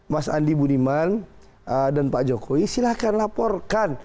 mas andi budiman dan pak jokowi silahkan laporkan